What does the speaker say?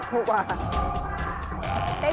ถูกกว่าครับ